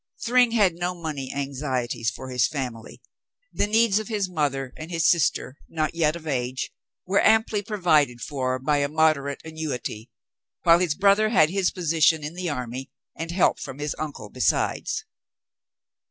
Thryng had no money anxieties for his family. The needs of his mother and his sister — not yet of age — were amply provided for by a moderate annuity, while his brother had his position in the army, and help from his uncle besides.